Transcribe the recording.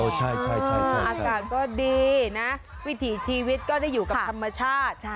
ใช่อากาศก็ดีนะวิถีชีวิตก็ได้อยู่กับธรรมชาติ